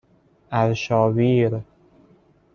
ارشاویر